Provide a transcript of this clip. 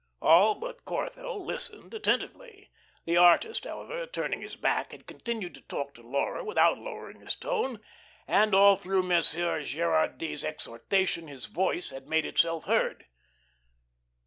All but Corthell listened attentively. The artist, however, turning his back, had continued to talk to Laura without lowering his tone, and all through Monsieur Gerardy's exhortation his voice had made itself heard.